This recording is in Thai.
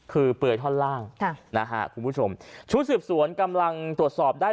คือเปลือยท่อนล่างค่ะนะฮะคุณผู้ชมชุดสืบสวนกำลังตรวจสอบได้